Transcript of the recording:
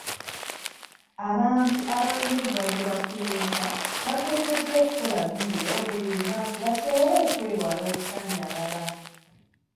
Abantu abalina obulwadde ba puleesa bateekeddwa okukola dduyiro buli lunaku basobole okwewala oksannyalala.